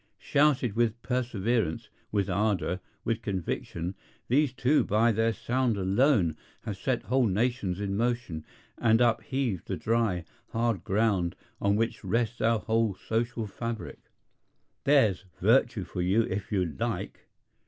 Shouted with perseverance, with ardor, with conviction, these two by their sound alone have set whole nations in motion and upheaved the dry, hard ground on which rests our whole social fabric. There's "virtue" for you if you like!...